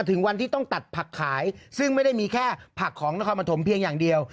ถึงวันที่ต้องตัดผักขายซึ่งไม่ได้มีแค่ผักของนครปฐมเพียงอย่างเดียว